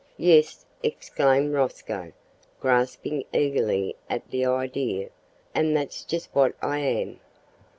"Yes," exclaimed Rosco, grasping eagerly at the idea; "and that's just what I am.